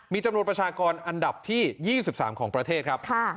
มีจำนวนประชากรอันดับที่๒๓ของประเทศครับ